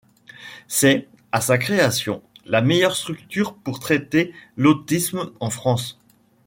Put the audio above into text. C'est, à sa création, la meilleure structure pour traiter l'autisme en France.